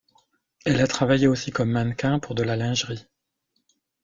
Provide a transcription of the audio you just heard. Elle a travaillé aussi comme mannequin, pour de la lingerie.